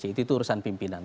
itu urusan pimpinan